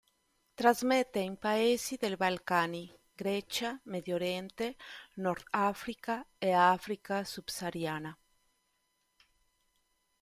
Trasmette in paesi dei Balcani, Grecia, Medio Oriente, Nord Africa e Africa subsahariana.